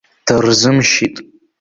Дырзымшьит.